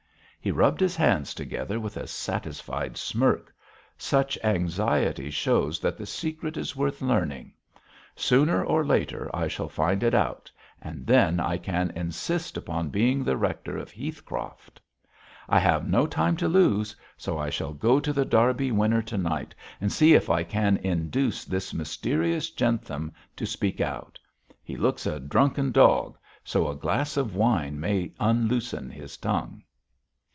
He rubbed his hands together with a satisfied smirk. 'Such anxiety shows that the secret is worth learning. Sooner or later I shall find it out, and then I can insist upon being the rector of Heathcroft. I have no time to lose, so I shall go to The Derby Winner to night and see if I can induce this mysterious Jentham to speak out. He looks a drunken dog, so a glass of wine may unloosen his tongue.'